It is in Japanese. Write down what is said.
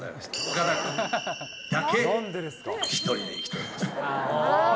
岡田君だけ、１人で生きてます。